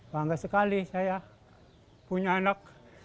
bangga sekali saya punya anak